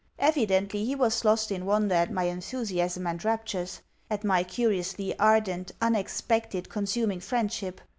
Evidently, he was lost in wonder at my enthusiasm and raptures at my curiously ardent, unexpected, consuming friendship.